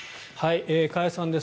加谷さんです。